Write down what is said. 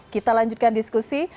kita lanjutkan diskusi